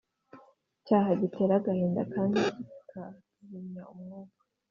Icyaha gitera agahinda kandi kikazimya Umwuka